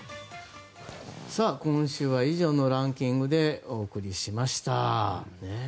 今週は以上のランキングでお送りしました。